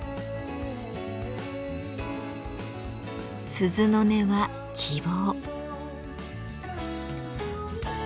鈴の音は希望。